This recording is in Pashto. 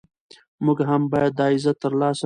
موږ هم باید دا عزت ترلاسه کړو.